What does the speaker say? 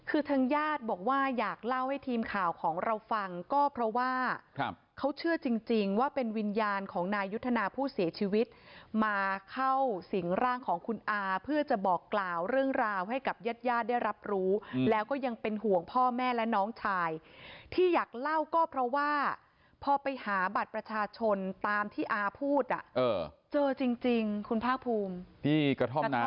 คือทางญาติบอกว่าอยากเล่าให้ทีมข่าวของเราฟังก็เพราะว่าเขาเชื่อจริงว่าเป็นวิญญาณของนายยุทธนาผู้เสียชีวิตมาเข้าสิงร่างของคุณอาเพื่อจะบอกกล่าวเรื่องราวให้กับญาติญาติได้รับรู้แล้วก็ยังเป็นห่วงพ่อแม่และน้องชายที่อยากเล่าก็เพราะว่าพอไปหาบัตรประชาชนตามที่อาพูดเจอจริงคุณภาคภูมิ